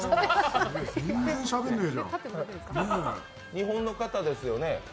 日本の方ですよね？